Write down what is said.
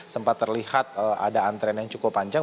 sempat terlihat ada antrean yang cukup panjang